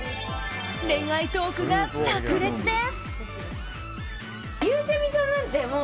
恋愛トークがさく裂です！